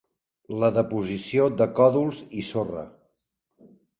La deposició de còdols i sorra.